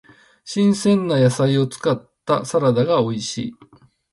新鮮な野菜を使ったサラダが美味しい。